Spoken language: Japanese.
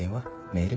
メール？